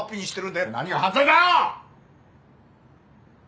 何が犯罪だよ！